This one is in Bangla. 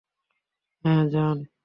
হ্যাঁ, যান।